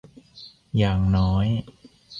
อย่างน้อย